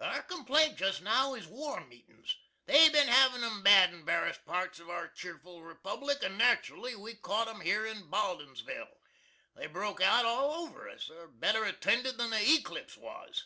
Our complaint just now is war meetin's. They've bin havin 'em bad in varis parts of our cheerful Republic, and nat'rally we caught 'em here in Baldinsville. They broke out all over us. They're better attended than the Eclipse was.